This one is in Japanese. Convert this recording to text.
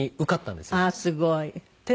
ああすごい。って